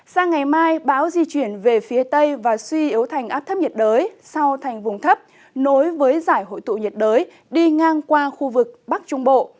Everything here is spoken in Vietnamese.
sang ngày mai bão di chuyển về phía tây và suy yếu thành áp thấp nhiệt đới sau thành vùng thấp nối với giải hội tụ nhiệt đới đi ngang qua khu vực bắc trung bộ